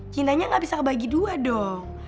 cintanya gak bisa ngebagi dua dong